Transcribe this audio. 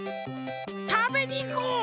たべにいこう！